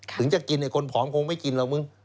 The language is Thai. ถึงจะกินคนผอมคงไม่กินหรอกมึง